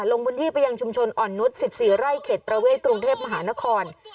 ลงพื้นที่ไปยังชุมชนอ่อนนุษย์๑๔ไร่เขตประเวทกรุงเทพมหานคร